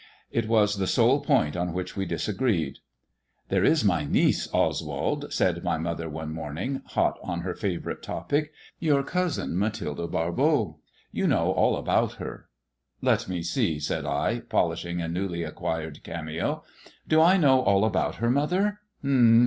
It was the sole point on Rrhich we disagreed. There is my niece, Oswald," said my mother one morn ing, hot on her favourite topic. " Your cousin, Mathilde Barbot — ^you know all about her." " Let me see," said I, polishing a newly acquired cameo* ■* Do I know all about her, mother